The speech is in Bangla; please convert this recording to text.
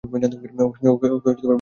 ওকে বৃত্তের ভেতরে রাখো!